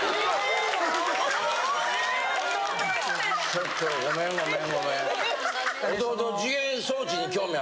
ちょっとごめんごめん。